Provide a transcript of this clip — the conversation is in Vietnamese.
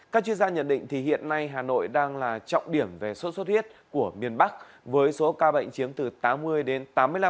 các chuyên gia nhận định hiện nay hà nội đang là trọng điểm về sốt xuất huyết của miền bắc với số ca bệnh chiếm từ tám mươi đến tám mươi năm